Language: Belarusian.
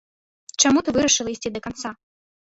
Чаму ты вырашыла ісці да канца?